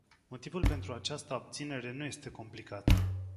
Motivul pentru această abținere nu este complicat.